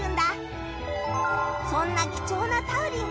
そんな貴重なタウリン